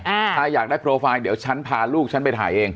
ถ้าอยากได้โปรไฟล์เดี๋ยวฉันพาลูกฉันไปถ่ายเอง